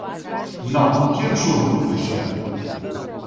Nou-Qui en surt beneficiat?